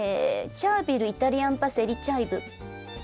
チャービルイタリアンパセリチャイブ。